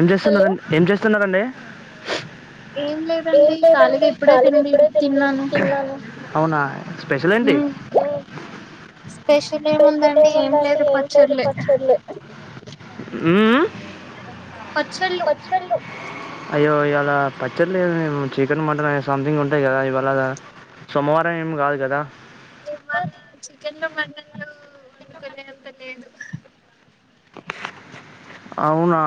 ఏం చేస్తున్నారు ఏం చేస్. చెప్తున్నారండి. అవునా స్పెషల్ ఏంటి. ఉమ్. అయ్యో అయ్యో. ఆహ్ పచ్చడ్లు లేదు ఎమ్ చికెన్ మటన్ అనే సంథింగ్ ఉంటాయి కదా. ఇవాళ సోమవారం ఏమి కాదు కదా. కన్లూ వండుకునేంత లేదు. అవునా.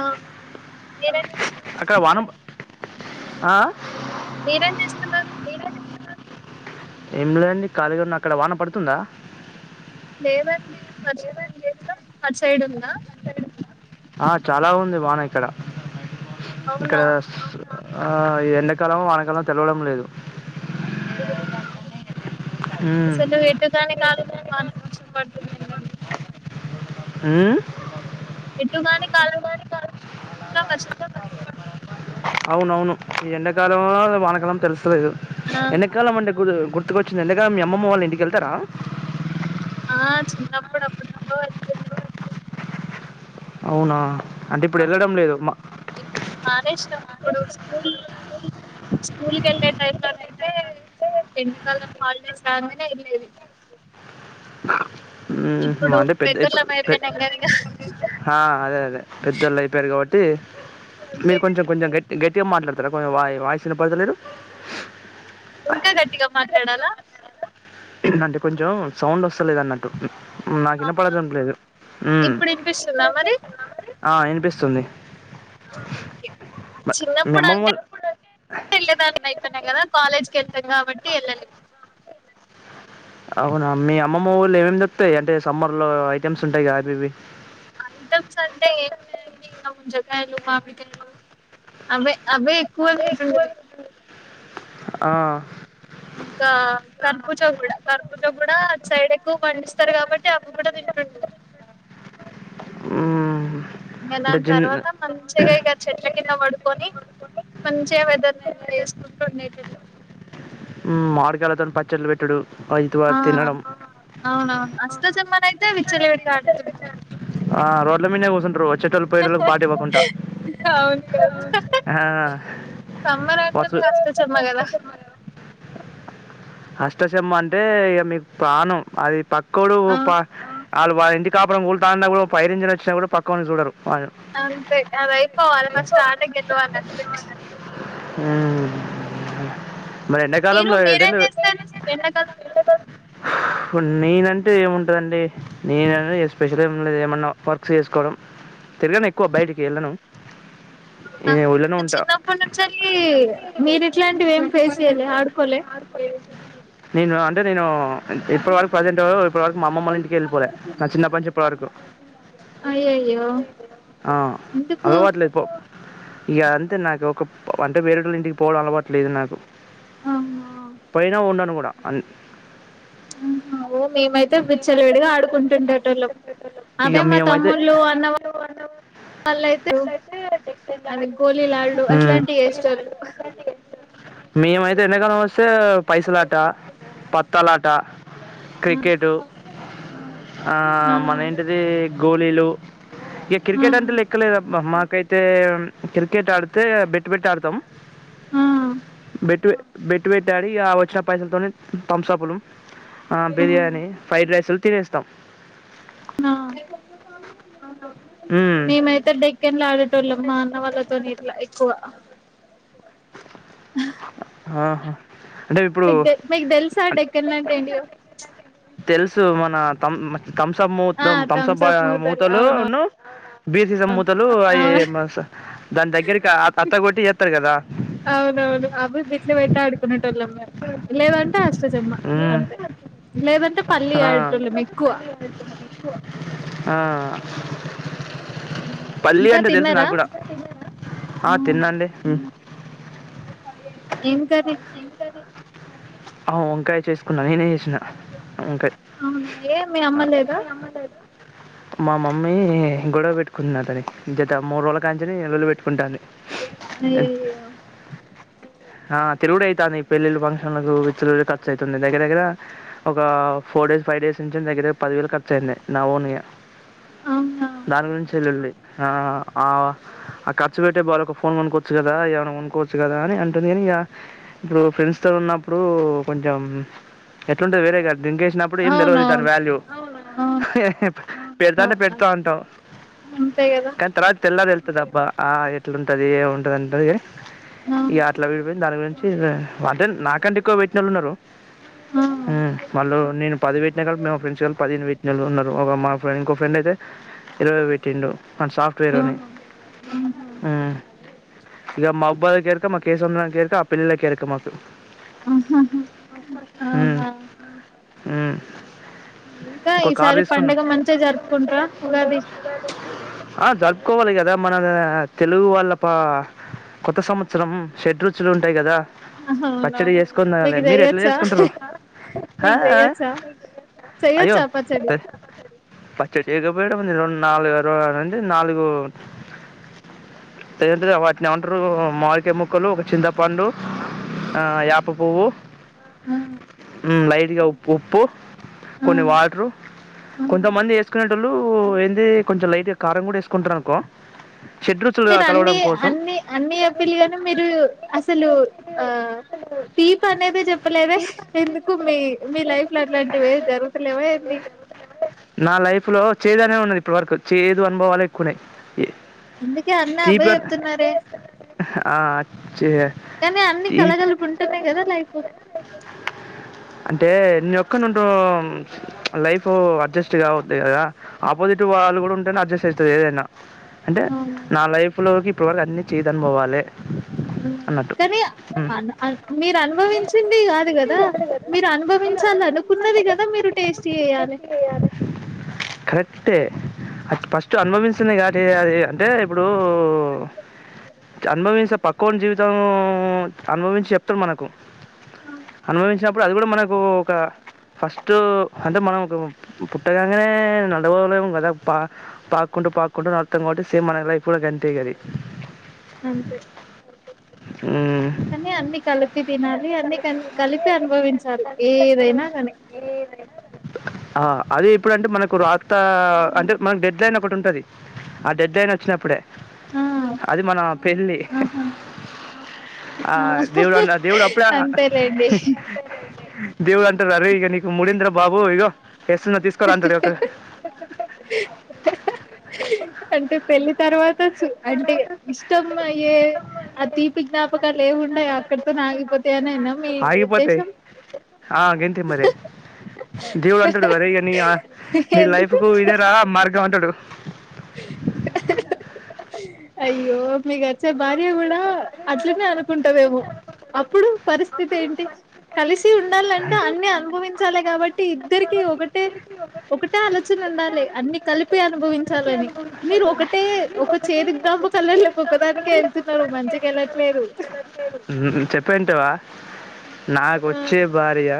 అవునండి చేస్తున్నారు అక్కడ వానం ఆ మీరేం చేస్తున్నారు ఏం లేండి కాళీగన్న అక్కడ వాన పడుతుందా లేవండి వర్షం ఏమి లేదుదా అటు సైడ్ ఉందా ఆ చాలా ఉంది వాన ఇక్కడ అవునా ఇకాడ ఆ ఇది ఎండకాలం వానకాలం తెలవడం లేదు అయ్యయ్యో మ్మ్. అసలు ను ఎటుగాని కాలంలో వర్షం పడుతుందిందండి అ ఎటుగాని కాలం అవునవును ఈ ఎండాకాలంలో వానకాలం తెలుసు ఆ ఎకాలం అంట గుర్తుచ్చ వ ఎండ కాలం మీ అమ్మమ్మ వాళ్ళు ఇంటికెళ్తారా ఆ చిన్నప్పుడు అప్పుడెప్పుడో వెళ్తుంది మీ అవునా అంటే ఇప్పుడు వెళ్ళడం అవునండి లేదు మా ఇప్పుడు నానే ఇష్టాం ఇప్పుడు స్కూల్ స్కూల్ క వెళ్ళే టై లోనైతే ఎండాకాలం హాలిడేస్ రానైనే వెళ్లేది అంటే పెద్ద ఇప్పుడు అయిపోయినాం కదా ఇగ అదే అదే పెద్దోళ్ళు అయిపోయారు కాబట్టి తే అంతే మీరు కొంచెం కదా కొంచెం గట్టి గట్టి మాట్లాడతారా వాయిస్ విన్నపడుతలేరు ఇంకా గట్టిగా మాట్లాడాలా అంటే కొంచెం సౌండ్ వస్తలేద అన్నట్టు నాకు చిన్న అవునా వినపడటం లేదు ఇప్పుడు వినిపిస్తుందా మరి వినిపిస్తుంది ఓకే మీ చిన్నప్పుడు అంటే అమ్మమ్మోళ్ళు తెదాన్నియి కదా కాలేజ్ క వెళ్తాం కాబట్టి వెళ్ళలేదు అవునా మీ అమ్మమ్మ ళ్ళ ఏమేమి తప్పాయి అంటే సమ్మర్ లో ఐటెమ్స్ ఉంటాయి అవి ఇవి ఐటమ్స్ అంటే ఏమిన్నాయండి ఇంకా ముంజకాయలు మామిడికాయలు అవి అవి ఎక్కువ తింటాం ఆ ఇంకా కర్పూచ కూడా కర్పూచా కూడా సైడ్ ఎక్కువ పండిస్తారు కాబట్టి అవి కూడా తింటడి ఆ ఇంకా దాని తర్వాత మంచిగా ఇగ చెట్ల కింద పడుకొని మంచ్ వెదర్ని ఎంజాయ్ చేసుకుంటూ ఉండేటట్లు ఉం మార్గాలతోని పచ్చళ్లు పెట్టడు ఆ అవునవును అస్ కొత్తసమ్మన అయితే విచ్చలవిడిగా ఆడుతున్నా ఆ రోడ్ల మీననే పోతంట్రు చెట్ ల్లు పోయటలకు బాటి ఇవ్వకుండా అవును కదా ఆ సమ్మర్ వర్స్ అంటేనే అష్టచమ్మ కదా అష్టచమ్మ అంటే ఇక మీకు ప్రాణం అది పక్ కోడు అవును పాక్ వాళ్ళు వాళ్ళ ఇంటి కాపురం కూలుతాన్నా కూడా పైరింజన్ వచ్చినా కూడా పక్కోళ్ళని చూడరు. వాళ్ళు అంతే అది అయిపోవాలి అద ఫస్ట్ ఆట గెల్వాలి అంతే హుమ్ మరి ఎండాకాలంలో ఎండలు ఎండా కాలంలో నేనంటే ఏముంటుదండి. నేన ఎస్పెషల్గా లే ఏమన్నా వర్క్ చేసుకోవడం. తిరగను ఎక్కువ బయటికి వెళ్ళను అవునా నేను ఊళ్ళోనే అంటే ఉంటా చిన్నప్పటి నుంచిళి మీరు ఇట్లాంటివి ఏమి ఫేస్ చేయాలే ఆడుకోలే నేను అంటే నేను ఇప్పటివరకు ప్రజెంట్ ఇప్పటి వరకు మా అమ్మమ్మ వాళ్ళ ఇంటికి వెళ్ళిపోలే. నా చిన్నప్పటి నుంచి ఇప్పటి వరకు అయ్యయ్యో ఆ ఎందుకు అలవాట్లేదుపొ. ఇగ అంతే నాకు ఒక అంటే వేరేటోళ్ళ ఇంటికి పోవడం అలవాటు లేదు నాకు అవునా పోయినా ఉండను కూడా అన్ ఆహా ఓ మేమైతే విచ్చలవిడిగా ఆడుకుంటుండేటోళ్ళం ఇగ అదే మా మేమైతే తమ్ముళ్ళు అన్న వాళ్ళయితే అది గోళీలాడు హు అట్లాంటివి చేసేటోళ్ళు మేమైతే ఎండకాలం వస్తే పైస లాట పత్ తలాట క్రికెట్ ఆ మన ఏంటిది గోళీలు ఇక ఆ క్రికెట్ అంటే లెక్కలేదు మ మాకైతే క్రికెట్ ఆడితే బెట్ బెట్ ఆడతాం ఆ బెట్టు ఎ బెట్ వెట్ ఆ ఇగ వచ్చిన పైసలతో థంసపులు, బిర్యానీ ఫ్రైడ్ రైసులు తినేస్తాం. ఉమ్ మేమైతే డెక్కన్ల ఆడేటోళ్ళం మా అన్న వాళ్ళతోనే ఇట్ల ఎక్కువ ఆహా అంటే ఇప్పుడు మీకు మీకు తెలుసా డెక్కన్లు అంటే ఏంటియో తెలుసు మన థం థంసప్ మూత్ ఆ థంసప్ బాయ్ థమ్సప్ మూతలు అవునవును మూతలునూ బీసి స మూతలు అవి అవును దాని దగ్గరికి అత్తగొట్టి చేస్తారు కదా అవునవును. అవి బిట్లు పెట్టి ఆడుకునేటోళ్ళం మేం. లేదంటే అష్టచమ్మ అంతే నేనైతే లేదంటే పల్లి ఆడేటోళ్ళం నచ్చలేదు ఎక్కువ. ఆ పల్లి ఇంకా అంటే తెలుసు తిన్నారా నాకు కూడా ఆ తిన్నాండి ఏం కర్రీ అవు వంకాయ చేసుకున్నాను నేనే చేసినా అవునా ఏ మీ అమ్మలేదా మా మమ్మీ గొడవ పెట్టుకుంటున్న నాతోని గత మూడు రోజుల కాంచని లొల్లి పెట్టుకుంటాను అయ్యయ్యో హ తిరుగుడు అవుతాంది పెళ్ళిళ్ళ ఫంక్షన్లకు విత్తలు ఖర్చు అవుతుంది దగ్గర దగ్గర ఒక ఫోర్ డేస్ ఫైవ్ డేస్ నుంచి దగ్గ దగ్గర పదివేలు ఖర్చ అయింది నా ఓన్ గ అవునా దాని గురించి వెళ్లుళీ ఆ ఆ కచ పేటే బక ఫోన్ కొన్ కదా ఏమైనా ఉనుకోవచ్చు కదా అని అంటుంది కానీక ఇప్పుడు ఫ్రెండ్స్ తో ఉన్నప్పుడు కొంచెం ఎట్లుంటే వేరే కా దింకేసినప్పుడు ఏం తెలియదు దాని అవునవును వాల్యూ పెడతానే పెడతా అవునవును అంటాం అంతే కదా కానీ తర్వాత తెల్ల తెలు దబ్బ ఆ ఎట్లుంటది [inaudible] ఈ అవును అటలా విీడిబ దానిళ అంటే నాకంటే ఎక్కువ పెట్టీ నోళ్ళు ఉన్నారు ఆ హ్మ్ వాళ్ళు నేను పది పెట్టిన కాబటి మా ఫ్రెండ్స్ పదిహేను పెట్టినోళ్ళు ఉన్నారు మా ఫ్రెం ఇంకో ఫ్రెండ్ అయితే ఇరవై పెట్టిండు తను సాఫ్ట్వేర్ ఆ ఆహా అని ఇక మా అబ్బాయిలకి ఎరుక మా కేసుంద్రం హెయిర్ క ఆ పిల్ల ఎరుక మాకు‌ ఆహా హ్మ్ అవునా హ్మ్ ఇంకా ఈసారి పండుగ మంచిగా జరుపుకుంటరా ఉగాది ఆ జరుకోవాలి కదా మన తెలుగు వాళ్ళ పా కొత్త సంవత్సరం షడ్ రుచులు ఉంటాయి కదా అవునవును పచ్చడి చేసుకున్నారు మీకు మీరు ఎట్లా చెయ్యొచ్చా చేసుకుంటారు హా మీకు హా చెయ్యొచ్చా అయ్యో చెయ్యొచ్చా పచ్చడి పచ్చడియకపోయిడం నాలుగు అంటే నాలుగు [inaudible] పట్నే ఉంటారు మామీదికాయ ముక్కలు ఒక చింతపండు యాప పువ్వు ఆ లైట్గా ఉప్పు ఉప్పు ఆ కొన్ని వాటరు ఆ కొంతమంది వేసుకునేటోళ్ళు ఏంది కొంచెం లైట్గా కారం కూడా వేసుకుంటారు అనుకో షడ్ రుచులు మీరు అన్ని కలవడం కోసం అన్ని అన్ని అప్పలుగానీ మీరు అసలు ఆ తీపి అనేది చెప్పలేదే ఎందుకు మీ మీ లైఫ్ లో అట్లాంటివే జరుగుతలేవా ఏంది నా లైఫ్లో చేదు అనే ఉన్నది ఇప్పటివరకు చేదు అనుభవాలు ఎక్కువన్నాయి అందుకే అన్నీ అవే చెప్తున్నారే హ కానీ అన్ని కలగలుపు ఉంటున్నాయి కదా లైఫు అంటే ఎన్ని [unintelligible] లైఫ్ అడ్జస్ట్ కావోదిగా కదా ఆపోజిట్ వాళ్ళు కూడా ఉంటేనే అడ్జస్ట్ అవుతుంది ఏదైనా అంటే అవును నా లైఫ్ లోకి ట్వవల్ అన్నీ చేదు అనుభావాలే కనీ అ మీరు అనుభవించింది కాదు కదా మీరు అనుభవించాల అనుకున్నది కదా మీరు టేస్టీ చేయాలి అంతే అది ఫస్ట్ అనుభవస్తుంది కానీ అది అంటే ఇప్పుడూ అనుభవించే పక్క ఉన్న జీవితం అనుభవించి చెప్తమ్ మనకు అనుభవించినప్పుడు అది కూడ మనకు ఒక ఫస్ట్ అంటే మనం ఒక పుట్టగానే నడవలేము కదా పా పాక్కుంటూ పాక్కుంటూ నడుస్తాం కాబట్టి సేమ్ మన లైఫ్ కూడా కంట కది అంతె హ్మ్. కానీ అన్ని కలిపి తినాలి అన్ని కలి కలిపి అనుభవించాలి ఏదైనా కానీ ఆ అది ఇప్పుడంటే మనకు రాత అంటే మనకు డెడ్ లైన్ ఒకటి ఉంటాది ఆ డెడ్ లైన్ వచ్చినప్పుడే ఆ అది మన పెళ్ళి ఆహా ఆ దేవుడన్న దేవుడప్పుడె అంతేలేండి దేవుడు అంటరు [unintelligible] నీకు మూడింద్ర బాబు ఇగో తీసుకోరా" అంటాడు. ఒక అంటే పెళ్లి తర్వాత చు అంటే ఇష్టం అయ్యే ఆ తీపి జ్ఞాపకాలు ఏమున్నాయో అక్కడితో నా ఆగిపోతాయ అని నమ్మి మీ ఆగిపోతాయి. ఉద్దేశం ఆ! గంతే మరి. దేవుడంటాడు, "అరేయ్! ఇగ నీ లైఫ్ ఎందుకు కు ఇదేన మార్గం అంటాడు [inaudible] [inaudible] అయ్యో మీగచ్ చె భార్య కూడా అట్లనే అనుకుంటదేమో అప్పుడు పరిస్థితి ఏంటి కలిసి ఉండాలంటే అన్ని అనుభవించాలె కాబట్టి ఇద్దరికి ఒకటే ఒకటే ఆలోచన ఉండాలి అన్ని కలిపి అనుభవించాలని మీరు ఒకటే ఒక చేదు [inaudible] వెళ్ళట్లేదు ఉమ్ చెప్పేదింటావ నాకు ఆ వచ్చే భార్య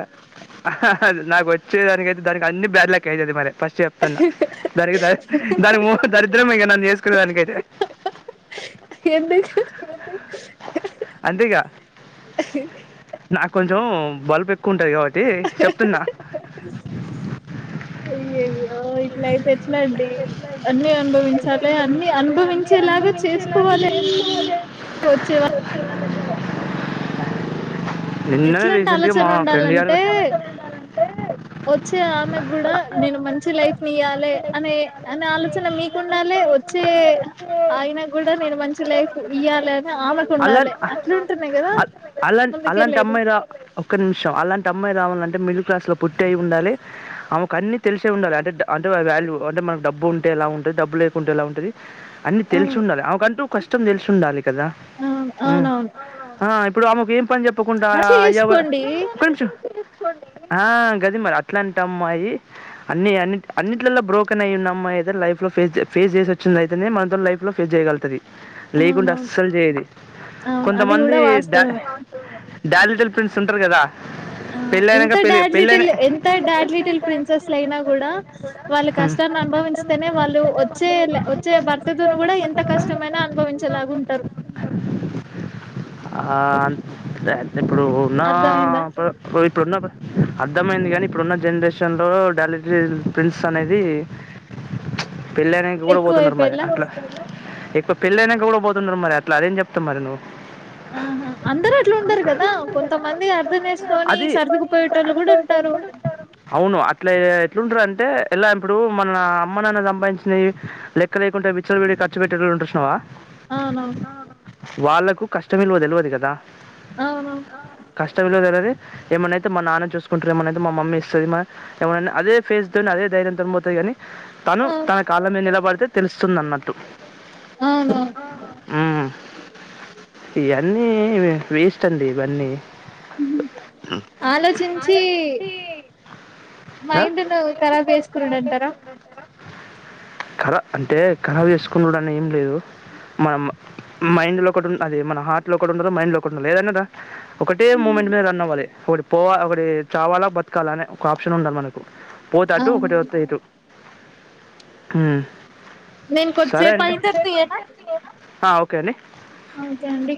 నాకు వచ్చేదానికయితే దానికి అన్ని బ్యాడ్ లెక్క అయతది మరి ఫస్ట్ చెప్తున్న దరిగి ద దానికి మూహం దరిద్రమే ఇంక నన్ను చేసుకునే దానికైతే ఎందుకు అంతే ఇక నాక్ కొంచం బల్పు ఎక్కువ ఉంటది కాబట్టి చెప్తున్నా అయ్యయ్యో ఇట్ల అయితే ఎట్లండి అన్ని అనుభవించాలె అన్ని అనుభవించేలాగ చేసుకోవాలె వచ్చెవా స ఎట్లాంటి ఆలోచన గారు ఉండాలంటే వచ్చే ఆమెకు కూడా నేను మంచి లైఫ్ ఇయ్యాలె అనే అనే ఆలోచన మీకుండాలి వచ్చే ఆయన కూడా నేను మంచి మంచి ల్పెఫ్ ఇయ్యాలె అని ఆమెకు అలా- ఉండాలి అట్ల ఉంటునె కదా అ- అలా అలాంటి ముందుకెళ్ళేది అమ్మాయిరా ఒక్క నిమిషం అలాంటి అమ్మాయి అమ్మాయి రావాలంటే మిడిల్ క్లాస్ లో పుట్టి అయి ఉండాలి ఆమెకు అన్ని తెలిసే ఉండాలి అంటే అంటే వాల్యూ అంటే మన డబ్బు ఉంటే ఎలా ఉంటంది డబ్బు లేకుంటే ఎలా ఉంటది అన్నీ అవును తెల్సుండాలే ఆమెకంటూ కష్టం తెల్సుండాలి కదా అవును అవునవును ఆ ఇప్పుడు ఆమెకు ఏం పని జెప్పకుండా మంచిగా ఎవ చేసుకోండి ఒక్క నిమిషం ఆ గది మరి అట్లాంటమ్మాయి అన్ని అన్ని అన్నిట్లలో బ్రోకెన్ అయ్యూన్న అమ్మాయి అయితే లైఫ్ లో ఫే ఫేస్ చేసి వచ్చిందయితనే మనతో లైఫ్ లో ఫేస్ చేయగలుగుతది. అవునవును లేకుంటస్సలు చేయది, అవును అది కొంతమంది కూడా డా వాస్తవమే డాలిటిల్ ప్రిన్స్ ఉంటరు కదా ఆ పెళ్ళైనాక ఎంత పెళ్ళి డాడ్ పెళ్ళైన లిటిల్ ఎంత డాడ్ లిటిల్ ప్రిన్సెస్లయినా గూడ వాళ్ళ ఉమ్. కష్టాన్ని అనుభవించితేనే వాళ్ళు వచ్చే వచ్చే భర్తతోను కూడా ఎంత కష్టమైనా అన్ అనుభవించేలాగుంటరు. ఆన్ తె ఇప్పుడు ఉన్నా అర్థమైందా ఇప్పుడున్న అర్థమైంది గని ఇప్పుడున్న జనరేషన్ లో డాలిటరీ ప్రిన్స్ అనేది పెళ్ళైనంక కూడ పోతున్నరు మరి ఎక్కువైపోయేలా అట్లా పెళ్ళైనంక గూడ పోతున్నరు మరి అట్ల అదేం చెప్తవ్ మరి నువు? ఆహా అందరు అట్లుండరు కదా, కొంతమంది అర్థం చేసుకొని అది సర్దుకుపోయేటోళ్ళు గూడుంటరు. ఎట్లుంటరు అంటే ఎలా ఇప్పుడు మన అమ్మ నాన్న సంపాదించినయి, లెక్క లేకుండా విచ్చల విడి ఖర్చు పెట్టేటోళ్ళు ఉంటరు చూ స్నవా అవునవును వాళ్ళకు కష్టం విలువ తెలివదు గదా అవునవును కష్టం విలువ తేల్వది ఏమైనైతే మా నాన్న చూసుకుంటరు, ఏమనైతే మా మమ్మీ ఇస్తది, ఏమైనా అదే ఫేస్ తోని అదే ధైర్యం తొని పోతదిగని తను ఆ తన కాళ్ల మీద నిలబడితే తెలుస్తుందన్నట్టు. హ్మ్. అవునవును ఇయన్నీ వేస్ట్ అండి ఇవన్నీ ఆలోచించి ఆ! మైండ్ ను కరాబ్ చేసుకునుడు అంటరా? కరా అంటే కరాబ్ చేసుకునుడని ఏం లేదు మనం మ మైండ్ లో ఒకటి ఉం అది మన హార్ట్ లో ఒకటి ఉండలి మైండ్ లో ఒకటి ఉండలి ఏదన్న దా ఒకటే మూమెంట్ మీద రన్ అవ్వాలి. ఒకటి పోవా ఒకటి చావాలా బతకాలా అనే ఒక ఆప్షన్ ఉండాలి మనకు. పోతా అటు అవును ఒకటి వత్తే ఇటు. హ్మ్ నేన్ కొద్దిసేపు అయింతర్త జేయన? హా ఒక్ కండి ఓకే అండి.